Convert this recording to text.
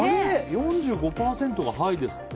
４５％が、はいですって。